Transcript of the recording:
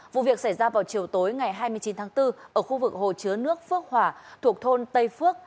vụ việc xảy ra vào chiều tối ngày hai mươi chín tháng bốn ở khu vực hồ chứa nước phước hòa thuộc thôn tây phước